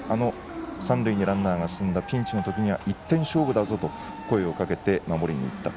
三塁にランナーが進んだピンチの時には１点勝負だぞと声をかけて守りに行った。